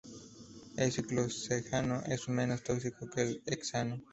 El ciclohexano es menos tóxico que el hexano.